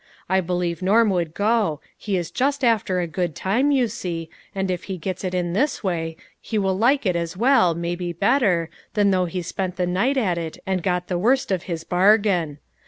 I believe Norm would go; he is just after a good time, you see, and if he gets it in this way, he will like it as well, maybe better, than though he spent the PLEASURE AND DISAPPOINTMENT. 195 night at it and got the worst of his bargain.